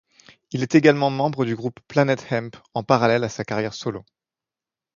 Il est également membre du groupe Planet Hemp, en parallèle à sa carrière solo.